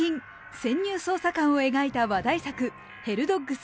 潜入捜査官を描いた話題作「ヘルドッグス